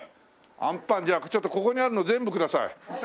あんぱんじゃあちょっとここにあるの全部ください。